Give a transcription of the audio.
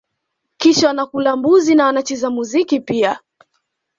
Kisha wanakula mbuzi na wanacheza muziki pia